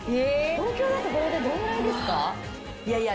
東京だとこれでどれぐらいですか？